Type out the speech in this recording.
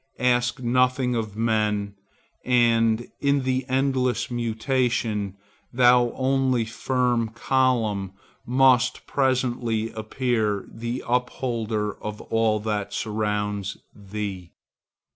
Ask nothing of men, and, in the endless mutation, thou only firm column must presently appear the upholder of all that surrounds thee.